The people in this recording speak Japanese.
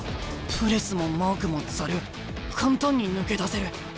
プレスもマークもザル簡単に抜け出せる。